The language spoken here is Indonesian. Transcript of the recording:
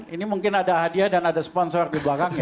ini mungkin ada hadiah dan ada sponsor di belakangnya